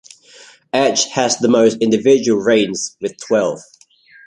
Edge has the most individual reigns with twelve.